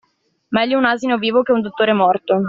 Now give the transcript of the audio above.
Meglio un asino vivo che un dottore morto.